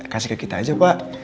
kasih ke kita aja pak